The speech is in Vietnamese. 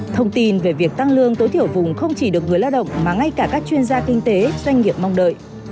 thông tin về việc tăng lương tối thiểu vùng không chỉ được người lao động mà ngay cả các chuyên gia kinh tế doanh nghiệp mong đợi